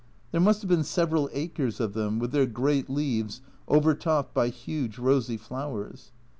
There must have been several acres of them, with their great leaves overtopped by huge rosy flowers.